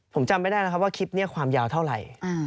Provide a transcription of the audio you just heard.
ผมจำไม่ได้นะครับว่าคลิปนี้ความยาวเท่าไหร่